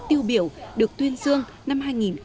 tiêu biểu được tuyên dương năm hai nghìn một mươi